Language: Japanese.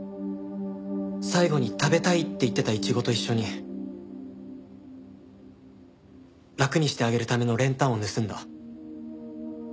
最後に食べたいって言ってたイチゴと一緒に楽にしてあげるための練炭を盗んだ。